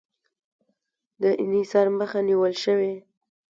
د انحصار مخه نیول شوې؟